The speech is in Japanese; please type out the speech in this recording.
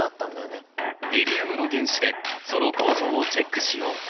ヘリウムの原子でその構造をチェックしよう！